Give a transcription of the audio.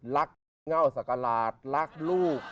รักเง่าสักลาดรักลูก